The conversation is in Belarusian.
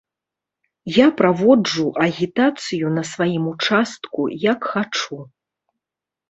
Я праводжу агітацыю на сваім участку як хачу.